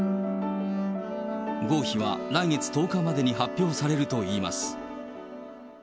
合否は来月１０日までに発表されるといいます。